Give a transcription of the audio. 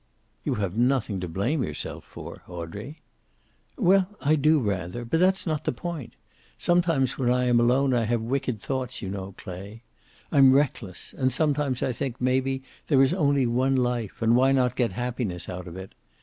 "You have nothing to blame yourself for, Audrey." "Well, I do, rather. But that's not the point. Sometimes when I am alone I have wicked thoughts, you know, Clay. I'm reckless, and sometimes I think maybe there is only one life, and why not get happiness out of it.